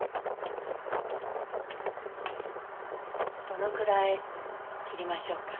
どのくらい切りましょうか？